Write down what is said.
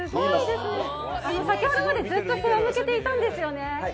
先ほどまでずっと背を向けていたんですよね。